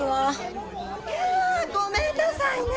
いやごめんなさいね。